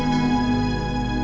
ini di jejtimeu fakta semoga